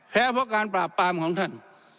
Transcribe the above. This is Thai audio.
แพ้เพราะการปราบปรามของท่าน